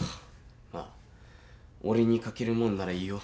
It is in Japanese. ああ俺に書けるものならいいよ。